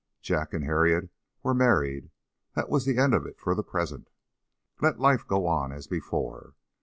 Jack and Harriet were married; that was the end of it for the present. Let life go on as before.